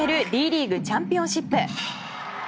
Ｄリーグチャンピオンシップ。